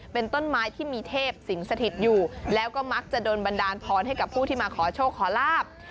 เป็นต้นไม้ที่มีเทพสิงสถิตอยู่แล้วก็มักจะโดนบันดาลพรให้กับผู้ที่มาขอโชคขอลาบ